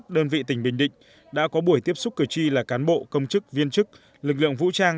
đơn vị tỉnh bình định đã có buổi tiếp xúc cử tri là cán bộ công chức viên chức lực lượng vũ trang